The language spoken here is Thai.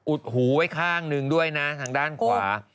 หูไว้ข้างหนึ่งด้วยนะทางด้านขวา